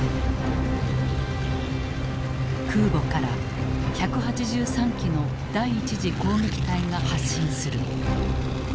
空母から１８３機の第一次攻撃隊が発進する。